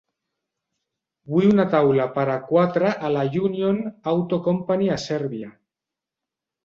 Vull una taula per a quatre a la Union Auto Company a Sèrbia.